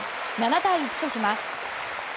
７対１とします。